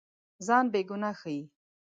ځان بېګناه ښيي.